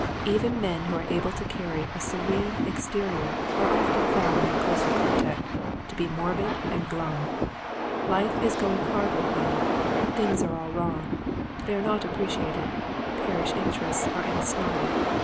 Even men who are able to carry a serene ex terior are often found on closer contact to be morbid and glum. Life is going hard with them. Things are all wrong. They are not appreciated. Parish interests are in a snarl.